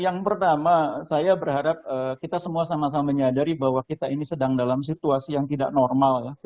yang pertama saya berharap kita semua sama sama menyadari bahwa kita ini sedang dalam situasi yang tidak normal ya